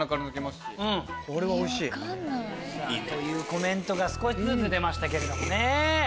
コメントが少しずつ出ましたけれどもね。